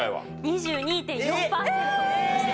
２２．４パーセントでした。